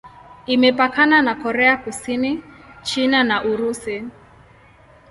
Imepakana na Korea Kusini, China na Urusi.